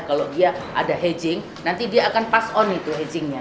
kalau dia ada hedging nanti dia akan pass on itu hedgingnya